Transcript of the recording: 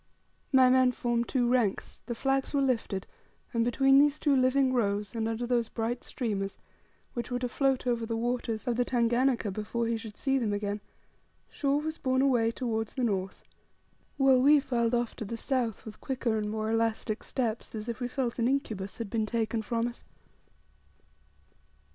My men formed two ranks; the flags were lifted; and between these two living rows, and under those bright streamers, which were to float over the waters of the Tanganika before he should see them again, Shaw was borne away towards the north; while we filed off to the south, with quicker and more elastic steps, as if we felt an incubus had been taken from us.